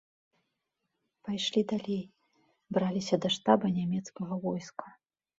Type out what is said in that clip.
Пайшлі далей, браліся да штаба нямецкага войска.